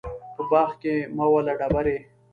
په باغ کې مه وله ډبري